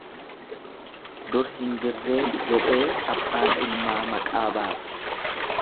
Dur hin jirree jedhee abbaan ilmaa maqaa baase.